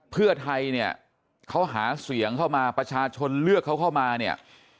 เพื่อไทยเนี่ยเขาหาเสียงเข้ามาประชาชนเลือกเขาเข้ามาเนี่ย